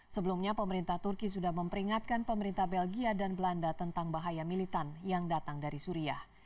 sebelumnya pemerintah turki sudah memperingatkan pemerintah belgia dan belanda tentang bahaya militan yang datang dari suriah